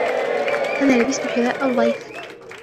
أنا لبست حذاء الضيف